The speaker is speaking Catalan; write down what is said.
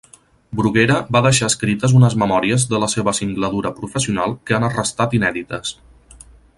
Bruguera va deixar escrites unes memòries de la seva singladura professional que han restat inèdites.